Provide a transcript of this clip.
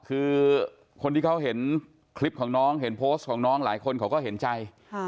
คือคนที่เขาเห็นคลิปของน้องเห็นโพสต์ของน้องหลายคนเขาก็เห็นใจ